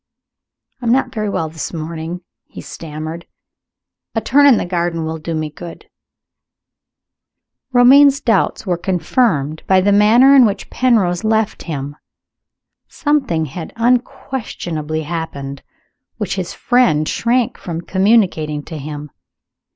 "I am not very well this morning," he stammered; "a turn in the garden will do me good." Romayne's doubts were confirmed by the manner in which Penrose left him. Something had unquestionably happened, which his friend shrank from communicating to him.